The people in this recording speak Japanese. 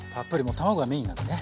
卵がメインなんでね。